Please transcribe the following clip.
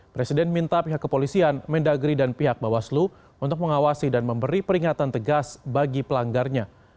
presiden minta pihak kepolisian mendagri dan pihak bawaslu untuk mengawasi dan memberi peringatan tegas bagi pelanggarnya